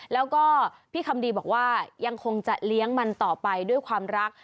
แล้วก็พี่คำดีบอกว่ายังคงจะเลี้ยงมันต่อไปด้วยความรัก